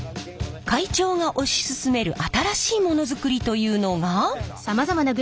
会長が推し進める新しいものづくりというのが。